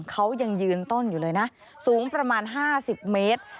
เขายังยืนต้นอยู่เลยนะสูงประมาณ๕๐เมตร